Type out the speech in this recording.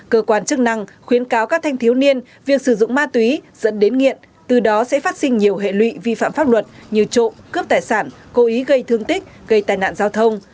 cơ quan chức năng khuyến cáo các thanh thiếu niên việc sử dụng ma túy dẫn đến nghiện từ đó sẽ phát sinh nhiều hệ lụy vi phạm pháp luật như trộm cướp tài sản cố ý gây thương tích gây tai nạn giao thông